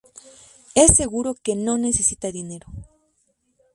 Es seguro que no necesita dinero.